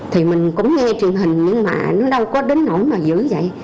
thì mình cũng nghe truyền hình nhưng mà nó đâu có đến nỗi mà dữ vậy